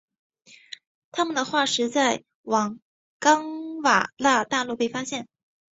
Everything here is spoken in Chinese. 它们的化石在冈瓦纳大陆被发现。